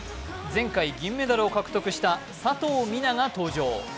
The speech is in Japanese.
前回、銀メダルを獲得した佐藤水菜が登場。